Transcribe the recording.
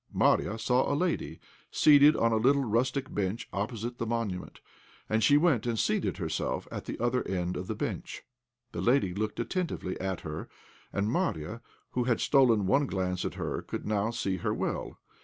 Marya saw a lady seated on a little rustic bench opposite the monument, and she went and seated herself at the other end of the bench. The lady looked attentively at her, and Marya, who had stolen one glance at her, could now see her well.